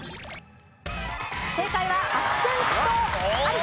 正解は悪戦苦闘。